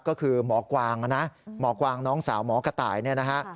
ก็คือหมอกวางนะนะหมอกวางน้องสาวหมอกระต่ายเนี่ยนะฮะ